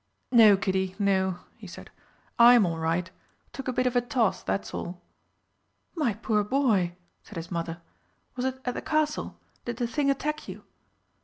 "No, Kiddie, no," he said, "I'm all right. Took a bit of a toss, that's all." "My poor boy," said his mother, "was it at the Castle? Did the thing attack you?"